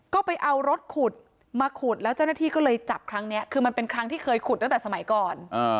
ก็ไปเอารถขุดมาขุดแล้วเจ้าหน้าที่ก็เลยจับครั้งนี้คือมันเป็นครั้งที่เคยขุดตั้งแต่สมัยก่อน